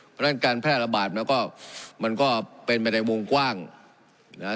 เพราะฉะนั้นการแพร่ระบาดมันก็มันก็เป็นไปในวงกว้างนะฮะ